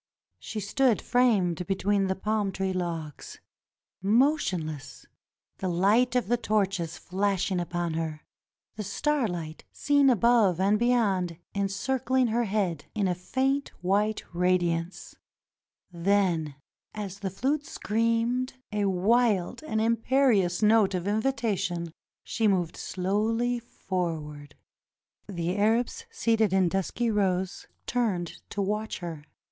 She stood framed between the palm tree logs — motionless — the light of the torches flashing upon her; the starlight, seen above and beyond, encircling her head in a faint white' radiance; then as the flute screamed a wild and imperious note of invitation, she moved slowly forward. The Arabs seated in dusky rows turned to watch her.